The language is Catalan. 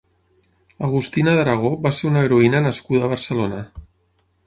Agustina d'Aragó va ser una heroïna nascuda a Barcelona.